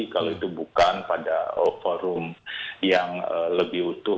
kalau itu bukan pada forum yang lebih utuh